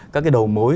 các cái đầu mối